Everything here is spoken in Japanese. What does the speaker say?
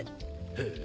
へえ。